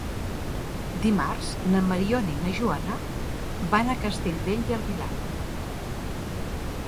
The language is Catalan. Dimarts na Mariona i na Joana van a Castellbell i el Vilar.